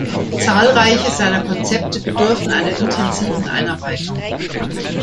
Zahlreiche seiner Konzepte bedürfen einer intensiven Einarbeitung.